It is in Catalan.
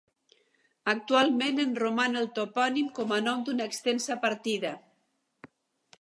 Actualment en roman el topònim com a nom d'una extensa partida.